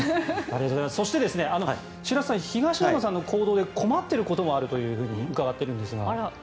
そして、白洲さんは東山さんの行動で困っていることもあると伺っているんですが。